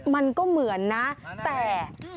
มันก็เหมือนนะแต่